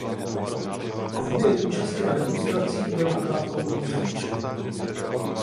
Kvůli účasti na demonstracích byl na krátkou dobu zatčen.